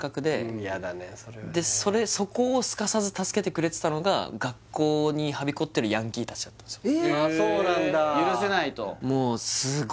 そこをすかさず助けてくれてたのが学校にはびこってるヤンキーたちだったんですよ許せないと？